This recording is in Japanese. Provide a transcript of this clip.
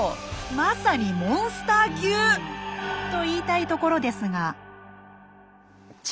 まさにモンスター級！と言いたいところですが。